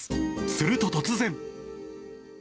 すると突然。